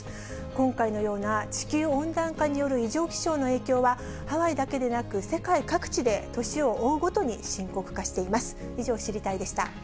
今回のような地球温暖化による異常気象の影響は、ハワイだけでなく、世界各地で年を追うごとに深刻化しています。